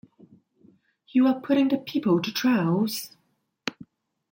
You are putting the people to trials?